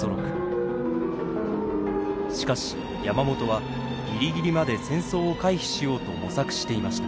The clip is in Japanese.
しかし山本はギリギリまで戦争を回避しようと模索していました。